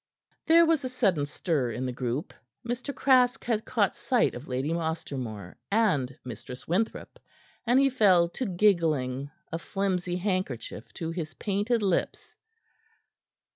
There was a sudden stir in the group. Mr. Craske had caught sight of Lady Ostermore and Mistress Winthrop, and he fell to giggling, a flimsy handkerchief to his painted lips.